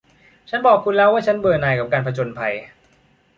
ฉันบอกคุณแล้วว่าฉันเบื่อหน่ายกับการผจญภัย